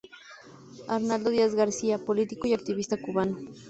Arnaldo Díaz García, político y activista cubano.